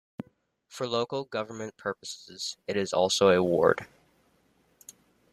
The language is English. For local government purposes, it is also a ward.